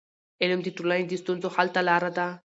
علم د ټولنې د ستونزو حل ته لار ده.